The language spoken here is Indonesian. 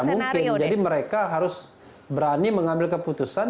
tidak mungkin jadi mereka harus berani mengambil keputusan